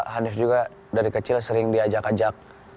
hanif juga dari kecil sering diajak ajak